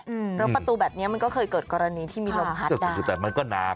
แล้วประตูแบบนี้มันก็เคยเกิดกรณีที่มีลมฮัศได้แต่มันก็หนัก